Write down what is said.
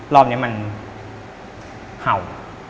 รอบนี้มันเห่า